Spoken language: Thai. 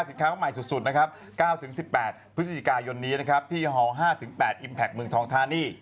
ใหม่สุดนะครับ๙๑๘พฤศจิกายนนี้นะครับที่ฮ๕๘อิมแพคเมืองทองทานี